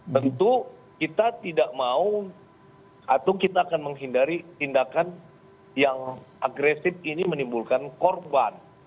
tentu kita tidak mau atau kita akan menghindari tindakan yang agresif ini menimbulkan korban